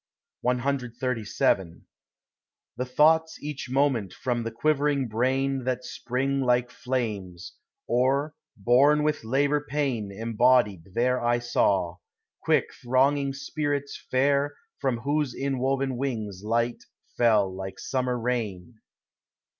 CXXXVII The thoughts each moment from the quivering brain That spring like flames, or, born with labour pain, Embodied there I saw—quick thronging spirits fair From whose inwoven wings light fell like summer rain.